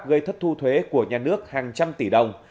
gây thất thu thuế của nhà nước hàng trăm tỷ đồng